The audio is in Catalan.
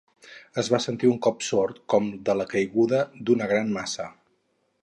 Es va sentir un cop sord com de la caiguda d'una gran massa.